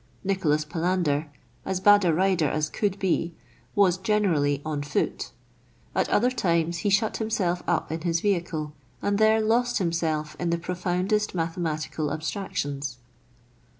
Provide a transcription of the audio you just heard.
Nicholas Palander, as bad a rider as could be, was generally on foot ; at other times he shut himself up in his vehicle, and there lost himself in the profoundest mathematical abstractions.